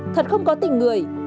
thật không có tình người